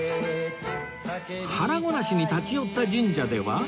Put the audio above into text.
腹ごなしに立ち寄った神社では